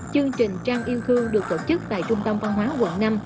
chương trình trăng yêu thương được tổ chức tại trung tâm văn hóa quận năm